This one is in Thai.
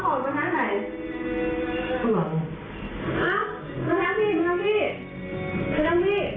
คุณแม่งพี่ใครวะ